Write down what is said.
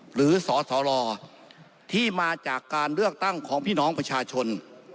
สสรที่มาจากการเลือกตั้งของพี่น้องประชาชน